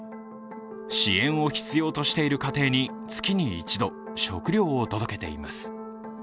支援を必要としている家庭に月に１度、食料を届けています。